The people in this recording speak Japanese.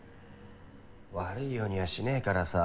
悪いようにはしねぇからさ。